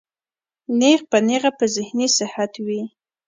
نېغ پۀ نېغه پۀ ذهني صحت وي